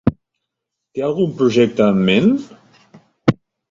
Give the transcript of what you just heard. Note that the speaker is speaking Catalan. Té algun projecte en ment?